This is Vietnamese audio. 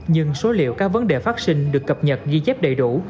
nhưng số liệu các vấn đề phát sinh được cập nhật ghi chép đầy đủ